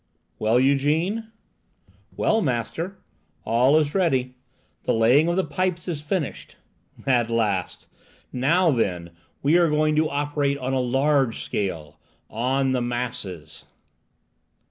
"Well, Ygène?" "Well, master, all is ready. The laying of the pipes is finished." "At last! Now, then, we are going to operate on a large scale, on the masses!"